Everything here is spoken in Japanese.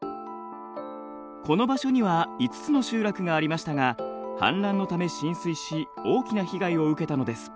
この場所には５つの集落がありましたが氾濫のため浸水し大きな被害を受けたのです。